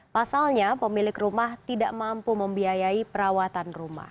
pasalnya pemilik rumah tidak mampu membiayai perawatan rumah